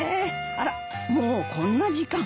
あらもうこんな時間。